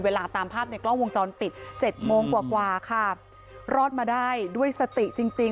ตามภาพในกล้องวงจรปิดเจ็ดโมงกว่ากว่าค่ะรอดมาได้ด้วยสติจริงจริง